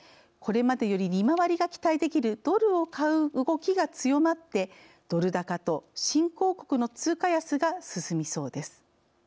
これまでより利回りが期待できるドルを買う動きが強まってドル高と新興国の通貨安が進みそうです。